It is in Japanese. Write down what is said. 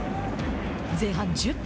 前半１０分。